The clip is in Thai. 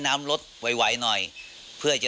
ตำรวจ